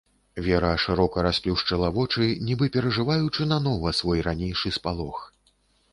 Вера шырока расплюшчыла вочы, нібы перажываючы нанова свой ранейшы спалох.